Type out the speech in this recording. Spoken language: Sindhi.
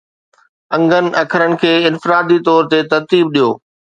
انگن اکرن کي انفرادي طور تي ترتيب ڏيو